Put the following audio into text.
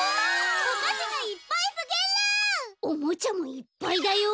おもちゃもいっぱいだよ！